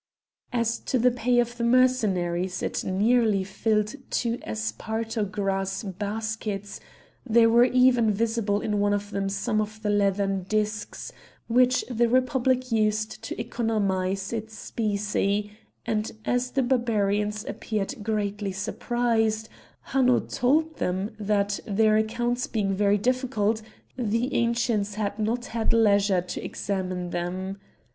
As to the pay of the Mercenaries it nearly filled two esparto grass baskets; there were even visible in one of them some of the leathern discs which the Republic used to economise its specie; and as the Barbarians appeared greatly surprised, Hanno told them that, their accounts being very difficult, the Ancients had not had leisure to examine them.